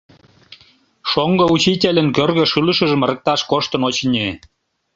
Шоҥго учительын кӧргӧ шӱлышыжым ырыкташ коштын, очыни.